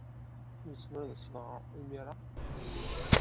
Nezmer ad as-nɣer imir-a?